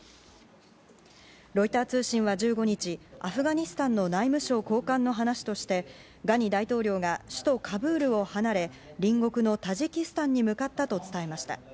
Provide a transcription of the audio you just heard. ロイター通信は１５日アフガニスタンの内務省高官の話としてガニ大統領が首都カブールを離れ隣国のタジキスタンに向かったと伝えました。